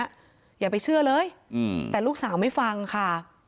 อย่าไปเชื่อเลยแต่ลูกสาวไม่ฟังค่ะ